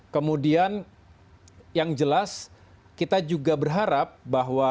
kemudian yang jelas kita juga berharap bahwa